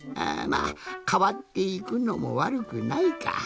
まあかわっていくのもわるくないか。